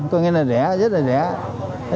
có nghĩa là rẻ rất là rẻ